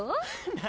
何？